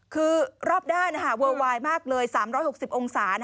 คือรอบด้านนะฮะโวลวายมากเลย๓๖๐องศา